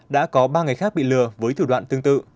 đã có ba người khác bị lừa với thủ đoạn tương tự